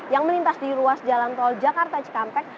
yang melintas di ruas jalan tol jakarta cikampek